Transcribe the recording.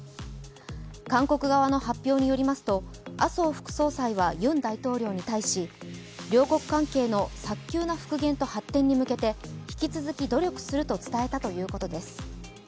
韓国側の発表によりますと麻生副総裁はユン大統領に対し両国関係の早急な復元と発展に向けて引き続き努力すると伝えたということです。